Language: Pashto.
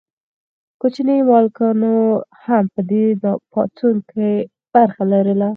کوچنیو مالکانو هم په دې پاڅون کې برخه لرله.